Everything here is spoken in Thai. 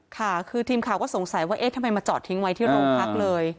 ค่ะคือทีมข่าวก็สงสัยว่าเอ๊ะทำไมมาจอดทิ้งไว้ที่โรงพักเลย